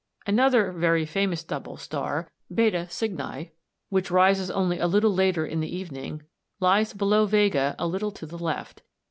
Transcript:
Another very famous double star ([Greek: b] Cygni), which rises only a little later in the evening, lies below Vega a little to the left.